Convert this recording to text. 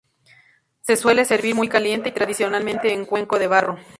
Se suele servir muy caliente y tradicionalmente en cuenco de barro.